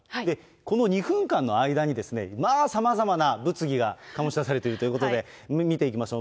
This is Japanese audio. この２分間の間に、まあさまざまな物議が醸し出されているということで、見ていきましょう。